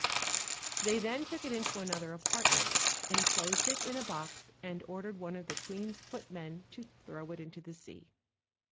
They then took it into another apartment, inclosed it in a box, and ordered one of the queen's footmen to throw it into the sea.